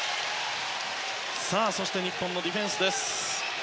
そして日本のディフェンスです。